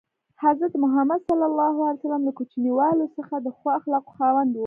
حضرت محمد ﷺ له کوچنیوالي څخه د ښو اخلاقو خاوند و.